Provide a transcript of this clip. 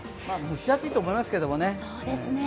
蒸し暑いと思いますけどね。